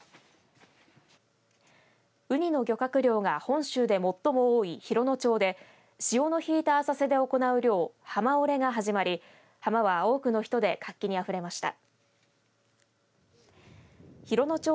ウニの漁獲量が本州で最も多い洋野町で潮の引いた浅瀬で行う漁浜下れが始まり浜は多くの人で活気に溢れました。